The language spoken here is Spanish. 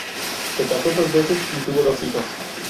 Se casó dos veces y tuvo dos hijos.